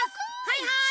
はいはい。